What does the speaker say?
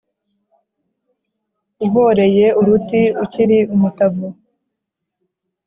uhoreye uruti ukiri umutavu,